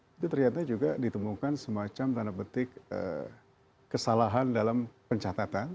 pada saat itu terlihat juga ditemukan semacam tanda petik kesalahan dalam pencatatan